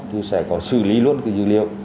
thì sẽ có xử lý luôn dữ liệu